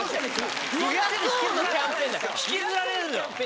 引きずられるのよ。